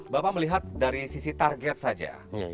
bapak melihat dari sisi target saja